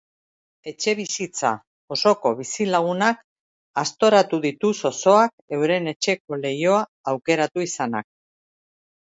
Etxebizitza osoko bizilagunak aztoratu ditu zozoak euren etxeko lehioa aukeratu izanak.